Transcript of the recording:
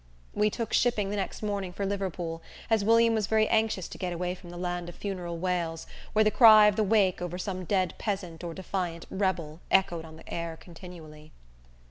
We took shipping the next morning for Liverpool, as William was very anxious to get away from the land of funeral wails, where the cry of the "wake" over some dead peasant or defiant "Rebel" echoed on the air continually.